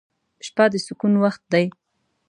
• شپه د سکون وخت دی.